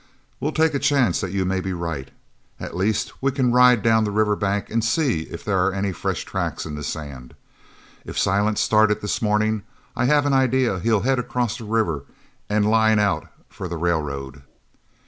"We'll take a chance that you may be right. At least we can ride down the river bank and see if there are any fresh tracks in the sand. If Silent started this morning I have an idea he'll head across the river and line out for the railroad."